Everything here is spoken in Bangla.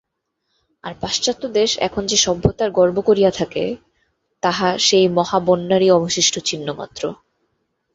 আর পাশ্চাত্য দেশ এখন যে-সভ্যতার গর্ব করিয়া থাকে, তাহা সেই মহাবন্যারই অবশিষ্ট চিহ্নমাত্র।